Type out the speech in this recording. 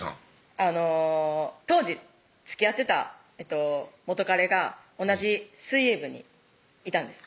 当時つきあってた元カレが同じ水泳部にいたんです